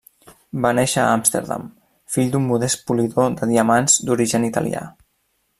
Va néixer a Amsterdam, fill d'un modest polidor de diamants d'origen italià.